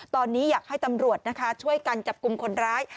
ตอนนี้อยากให้ตำรวจนะคะช่วยกันจับกลุ่มคนร้าย